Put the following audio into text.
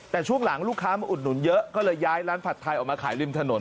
แต่ช่วงหลังลูกค้ามาอุดหนุนเยอะก็เลยย้ายร้านผัดไทยออกมาขายริมถนน